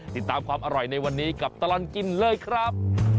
ติดตามความอร่อยในวันนี้กับตลอดกินเลยครับ